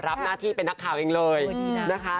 รับหน้าที่เป็นนักข่าวเองเลยนะคะ